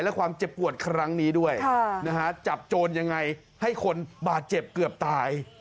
และความเจ็บปวดครั้งนี้ด้วยจับโจรยังไงให้คนบาดเจ็บเกือบตาย